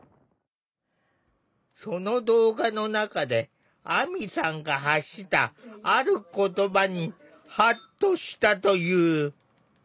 その動画の中で亜美さんが発したある言葉にハッとしたという。